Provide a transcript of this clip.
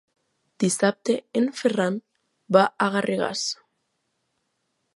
Dissabte en Ferran va a Garrigàs.